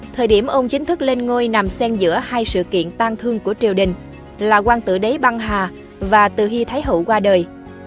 thời điểm ông chính thức lên ngôi nằm sen giữa hai sự kiện tan thương của triều đình là quang tự đế băng hà và từ hy thái hậu qua đời